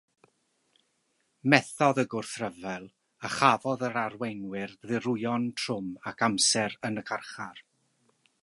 Methodd y gwrthryfel, a chafodd yr arweinwyr ddirwyon trwm ac amser yn y carchar.